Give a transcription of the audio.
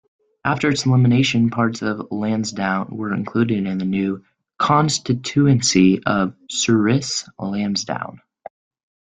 After its elimination, parts of Lansdowne were included in the new constituency of Souris-Lansdowne.